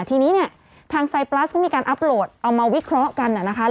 ทีนี้ทางไซด์ปลัสก็มีการอัพโหลดเอามาวิเคราะห์กัน